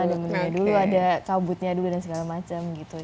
ada menunya dulu ada kabutnya dulu dan segala macam gitu